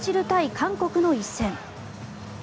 韓国の一戦。